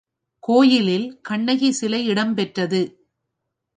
கோயிலில் கண்ணகி சிலை இடம் பெற்றது.